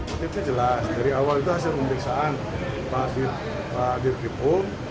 motifnya jelas dari awal itu hasil pembiksaan pak dirkipun